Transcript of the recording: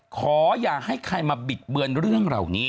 ขออย่าให้ใครมาบิดเบือนเรื่องเหล่านี้